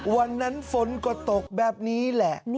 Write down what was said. วันนั้นฝนก็ตกแบบนี้แหละ